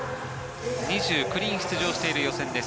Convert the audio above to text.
２９人出場している予選です。